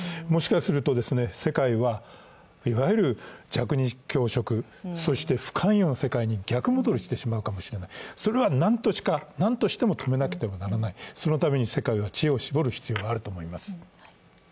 もしかすると世界は、いわゆる弱肉強食、そして不寛容の世界に逆戻りしてしまうかもしれない、それはなんとしても止めなくてはならないそのために世界は知恵を絞る必要があると思います。